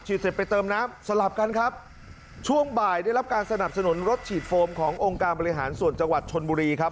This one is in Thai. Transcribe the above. เสร็จไปเติมน้ำสลับกันครับช่วงบ่ายได้รับการสนับสนุนรถฉีดโฟมขององค์การบริหารส่วนจังหวัดชนบุรีครับ